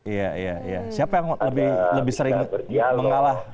iya iya siapa yang lebih sering mengalah